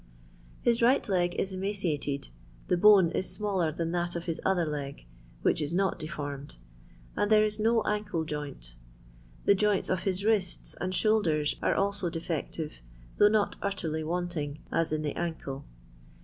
His right leg is emaciated, the bone is smaller than that of his other leg (which is not deformed), and there is no ancle joint. The joints of the wrists and shoulders are also defectiTe, thongh not utterly wanting, as in the ancle.